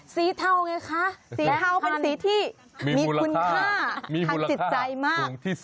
เทาไงคะสีเทาเป็นสีที่มีคุณค่าทางจิตใจมาก